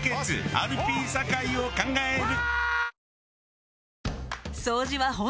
「アルピー酒井を考える」。